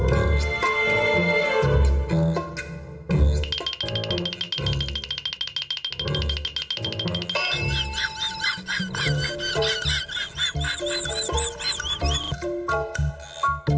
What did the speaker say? วันนี้ที่สาลาไปก่อนเจอกันพรุ่งนี้สวัสดีค่ะ